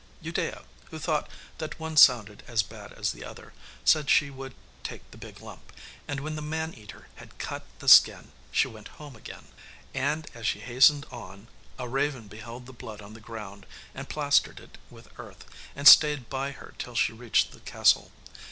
Udea, who thought that one sounded as bad as the other, said she would take the big lump, and when the man eater had cut the skin, she went home again. And as she hastened on a raven beheld the blood on the ground, and plastered it with earth, and stayed by her till she reached the castle.